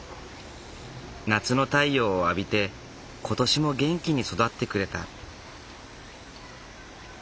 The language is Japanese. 夏の太陽を浴びて今年も元気に育ってくれた。